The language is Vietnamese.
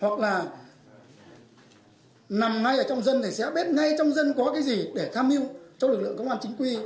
trong dân thì sẽ biết ngay trong dân có cái gì để tham hưu cho lực lượng công an chính quy